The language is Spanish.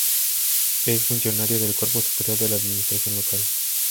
Es funcionaria del cuerpo superior de la administración local.